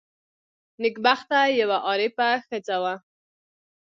نېکبخته یوه عارفه ښځه وه.